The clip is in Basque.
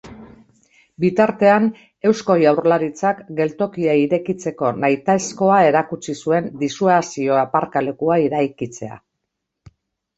Bitartean, Eusko Jaurlaritzak geltokia irekitzeko nahitaezkoa erakutsi zuen disuasio-aparkalekua eraikitzea.